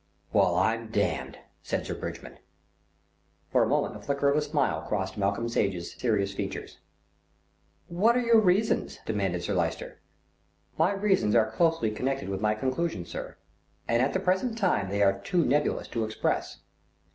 "Well, I'm damned!" said Sir Bridgman. For a moment a flicker of a smile crossed Malcolm Sage's serious features. "What are your reasons?" demanded Sir Lyster. "My reasons are closely connected with my conclusions, sir, and at the present time they are too nebulous to express."